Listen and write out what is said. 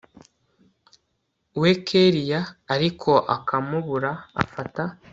we kellia ariko akamubura afata